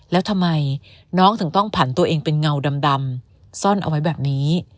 แล้วทำไมน้องถึงต้องผันตัวเองเป็นเงาดำซ่อนเอาไว้แบบนี้